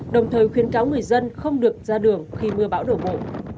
đồng thời khuyến cáo người dân không được ra đường khi mưa bão đổ bộ